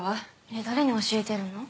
えっ誰に教えてるの？